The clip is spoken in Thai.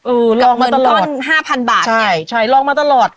อืมลองมาตลอดกับเงินต้นห้าพันบาทเนี้ยใช่ใช่ลองมาตลอด